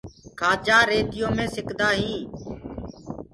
کآجآ ريتيو مي سيڪدآ هينٚ۔